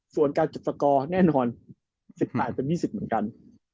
ส่วนการจุดสกอร์แน่นอน๑๘เป็น๒๐เหมือนกัน